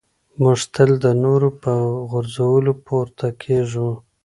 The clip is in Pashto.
موږ تل د نورو په غورځولو پورته کېږو.